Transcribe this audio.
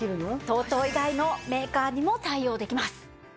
ＴＯＴＯ以外のメーカーにも対応できます。